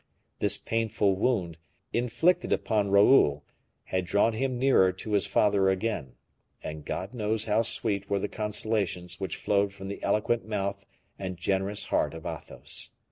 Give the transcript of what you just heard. This painful wound, inflicted upon Raoul, had drawn him nearer to his father again; and God knows how sweet were the consolations which flowed from the eloquent mouth and generous heart of Athos.